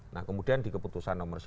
nah kemudian di keputusan nomor satu